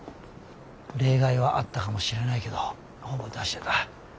例外はあったかもしれないけどほぼ出してた。